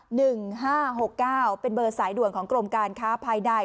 หนึ่งห้าหกเก้าเป็นเบอร์สายด่วนของกรมการค้าภายใน